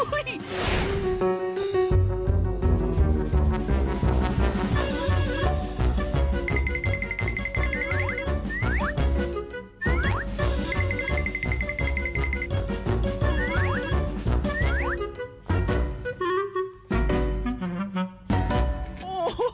โอ้โห